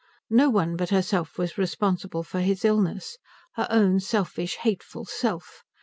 No one but herself was responsible for his illness, her own selfish, hateful self.